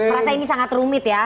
merasa ini sangat rumit ya